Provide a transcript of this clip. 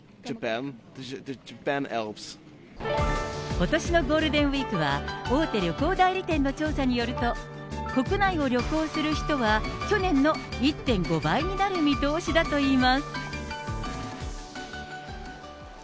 ことしのゴールデンウィークは大手旅行代理店の調査によると、国内を旅行する人は去年の１．５倍になる見通しだといいます。